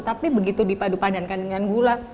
tapi begitu dipadu padankan dengan gula